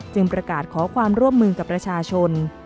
ประกาศขอความร่วมมือกับประชาชน